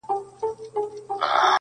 هــــر ســـړي نه خپـل احتساب پاتې دی